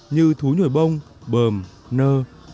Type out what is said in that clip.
như thú nhuồi bông bờm nơ